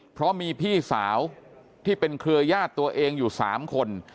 เพราะมีพี่สาวที่เป็นเครือญาติตัวเองอยู่๓คน